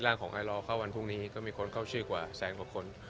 ของไอลอร์เข้าวันพรุ่งนี้ก็มีคนเข้าชื่อกว่าแสนกว่าคน